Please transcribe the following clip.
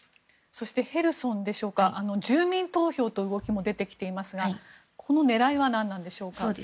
そしてヘルソンでしょうか住民投票という動きも出てきていますがこの狙いは何なのでしょうか。